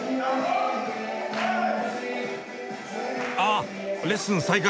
ああレッスン再開。